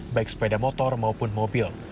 baik sepeda motor maupun mobil